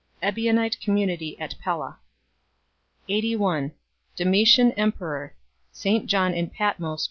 Ebionite community at Pella. 81 Domitian emperor. St John in Patmos